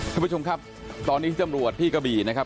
ท่านผู้ชมครับตอนนี้ตำรวจที่กระบี่นะครับ